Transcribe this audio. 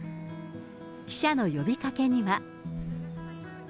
記者の呼びかけには。